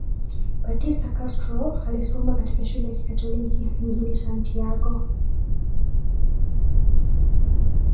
Batista Castro alisoma katika shule ya kikatoliki mjini Santiago